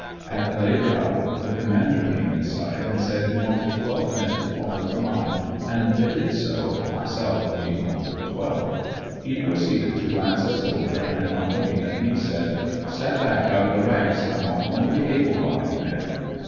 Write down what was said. At a later hour the commander came inside and said he wanted twelve men to fall into line and they did so, myself being one of the twelve; he proceeded to glance us over and on looking at me said: "Step back out of the ranks, 1 want only able bodied men